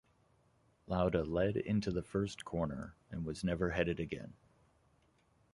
Lauda led into the first corner, and was never headed again.